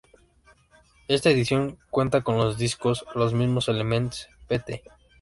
Esta edición cuenta con los discos, los mismo Elements, Pt.